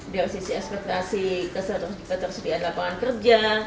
dari sisi ekspektasi kesehatan kita tersedia di lapangan kerja